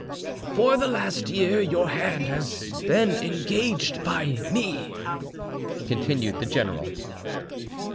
"For the last year your hand has been engaged by me," continued the general.